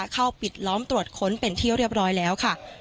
เข้าปิดล้อมตรวจค้นเป็นที่เรียบร้อยแล้วค่ะ